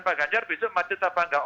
pak ganjar besok macet apa enggak